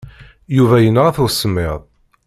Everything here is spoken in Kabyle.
Yuba yenɣa-t usemmiḍ.